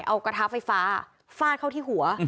เอากระทะไฟฟ้าฟาดเข้าที่หัว